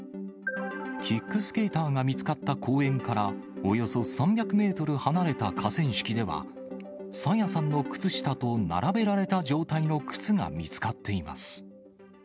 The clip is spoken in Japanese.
キックスケーターが見つかった公園から、およそ３００メートル離れた河川敷では、朝芽さんの靴下と並べられた状態の靴が見つかっています。